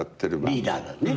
リーダーだよね。